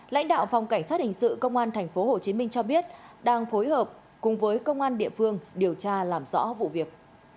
lãnh đạo phòng cảnh sát hình sự công an tp hcm cho biết đang phối hợp cùng với công an địa phương điều tra làm rõ vụ việc